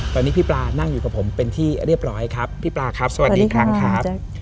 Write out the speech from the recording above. ตอนนี้พี่ปลานั่งอยู่กับผมเป็นที่เรียบร้อยครับพี่ปลาครับสวัสดีอีกครั้งครับ